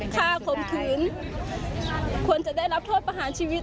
ข่มขืนควรจะได้รับโทษประหารชีวิต